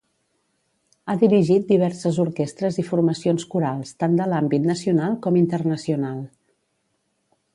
Ha dirigit diverses orquestres i formacions corals tant de l’àmbit nacional com internacional.